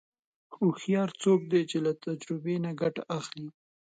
هوښیار څوک دی چې له تجربې نه ګټه اخلي.